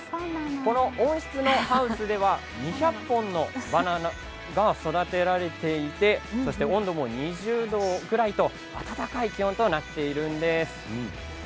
この温室のハウスでは２００本のバナナが育てられていて温度も２０度ぐらいと暖かい気温となっているんです。